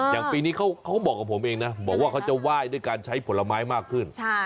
อย่างปีนี้เขาก็บอกกับผมเองนะบอกว่าเขาจะไหว้ด้วยการใช้ผลไม้มากขึ้น